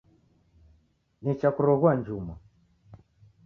Nicha kuroghua njumwa.